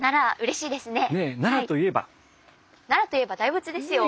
奈良といえば大仏ですよ。